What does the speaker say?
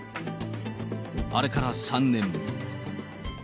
あれから３年。